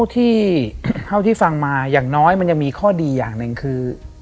เท่าที่ฟังมาอย่างน้อยมันยังมีข้อดีอย่างหนึ่งคือ